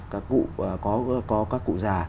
có các cụ già